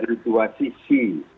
dari dua sisi